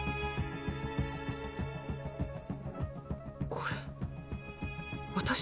これ私？